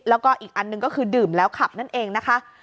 แล้วก็อีกอันหนึ่งก็คือดื่มแล้วขับนั่นเองนะคะ